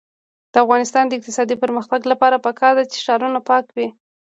د افغانستان د اقتصادي پرمختګ لپاره پکار ده چې ښارونه پاک وي.